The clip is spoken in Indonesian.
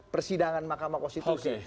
persidangan mahkamah konstitusi